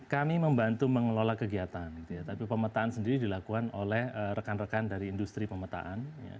kami membantu mengelola kegiatan tapi pemetaan sendiri dilakukan oleh rekan rekan dari industri pemetaan